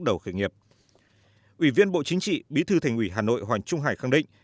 đầu khởi nghiệp ủy viên bộ chính trị bí thư thành ủy hà nội hoàng trung hải khẳng định